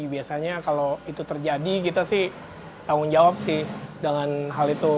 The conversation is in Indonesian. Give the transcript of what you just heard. biasanya kalau itu terjadi kita sih tanggung jawab sih dengan hal itu